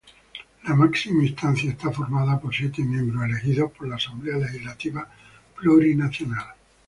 La máxima instancia esta formada por siete miembros elegidos por la Asamblea Legislativa Plurinacional.